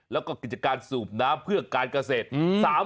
แล้วก็กิจการสูบน้ำเพื่อการเกษตร